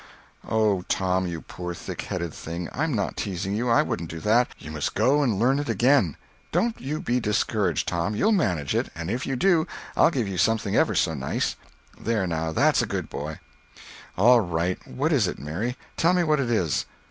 "Oh, Tom, you poor thick headed thing, I'm not teasing you. I wouldn't do that. You must go and learn it again. Don't you be discouraged, Tom, you'll manage it—and if you do, I'll give you something ever so nice. There, now, that's a good boy." "All right! What is it, Mary, tell me what it is."